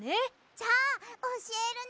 じゃあおしえるね！